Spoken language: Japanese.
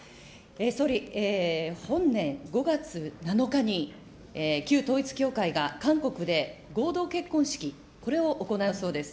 総理、本年５月７日に、旧統一教会が韓国で合同結婚式、これを行うそうです。